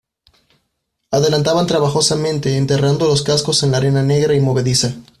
adelantaban trabajosamente enterrando los cascos en la arena negra y movediza.